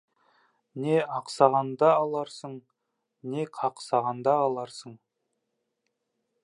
Не ақсағанда аларсың, не қақсағанда аларсың.